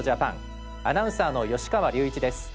アナウンサーの芳川隆一です。